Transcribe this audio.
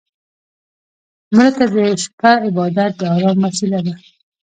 مړه ته د شپه عبادت د ارام وسيله ده